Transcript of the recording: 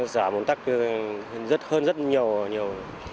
giảm ủn tác hơn rất nhiều